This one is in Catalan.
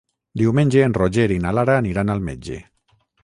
Diumenge en Roger i na Lara aniran al metge.